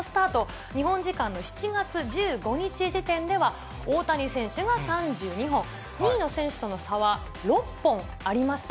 後半戦のスタート、日本時間の７月１５日時点では、大谷選手が３２本、２位の選手との差は６本ありました。